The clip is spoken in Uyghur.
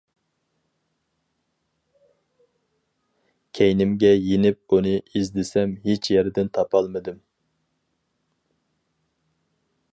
كەينىمگە يېنىپ ئۇنى ئىزدىسەم ھېچ يەردىن تاپالمىدىم.